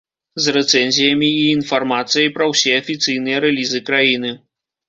З рэцэнзіямі і інфармацыяй пра ўсе афіцыйныя рэлізы краіны.